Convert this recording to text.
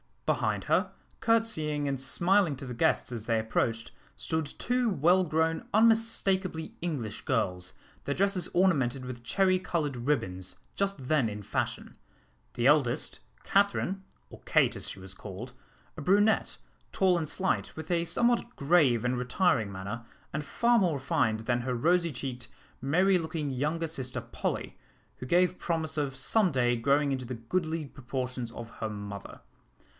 Behind her, courtesying and smiling to the guests as they approached, stood two well grown unmistakably English girls, their dresses ornamented with cherry coloured ribbons, just then in fashion: the eldest, Catherine, or Kate, as she was called, a brunette, tall and slight, with a somewhat grave and retiring manner, and far more refined than her rosy cheeked, merry looking younger sister Polly, who gave promise of some day growing into the goodly proportions of her mother.